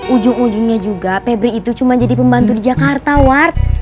ujung ujungnya juga pebri itu cuma jadi pembantu di jakarta war